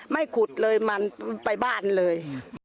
ไม่ขุดเลยมันไปบ้านเลย